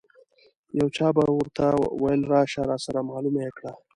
یو چا به ورته ویل راشه راسره معلومه یې کړه.